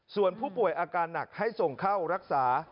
ส่วนผู้ป่วยอาการหนักให้ส่งเข้ารักษา